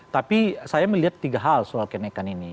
tapi saya melihat tiga hal soal kenaikan ini